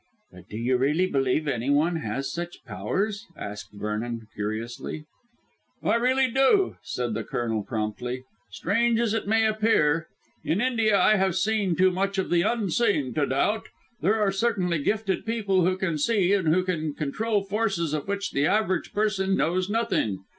"But do you really believe anyone has such powers?" asked Vernon curiously. "I really do," said the Colonel promptly, "strange as it may appear. In India I have seen too much of the Unseen to doubt. There are certain gifted people who can see and who can control forces of which the average person knows nothing.